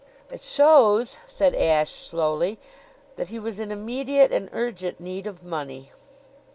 "It shows," said Ashe slowly, "that he was in immediate and urgent need of money."